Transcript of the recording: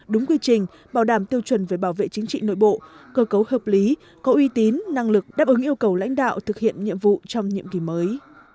đúng quy trình bảo đảm tiêu chuẩn về bảo vệ chính trị nội bộ cơ cấu hợp lý có uy tín năng lực đáp ứng yêu cầu lãnh đạo thực hiện nhiệm vụ trong nhiệm kỳ mới